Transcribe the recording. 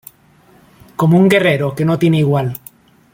Como un guerrero, que no tiene igual.